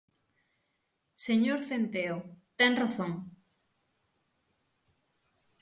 Señor Centeo, ten razón.